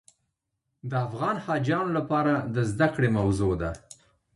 د افغان حاجیانو لپاره د زده کړې موضوع ده.